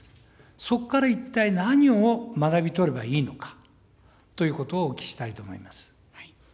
そこから一体、何を学び取ればいいのかということをお聞きしたいと思います。